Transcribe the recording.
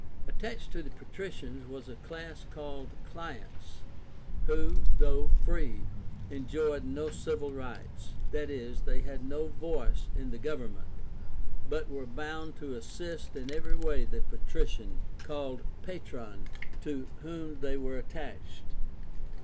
Attached to the Patricians was a class called CLIENTS, who, though free, enjoyed no civil rights, i. e. they had no voice in the government, but were bound to assist in every way the Patrician, called PATRON, to whom they were attached.